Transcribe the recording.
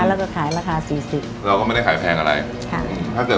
แล้วก็ขายราคา๔๐บาทเราก็ไม่ได้ขายแพงอะไรใช่